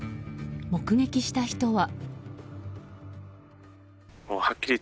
目撃した人は。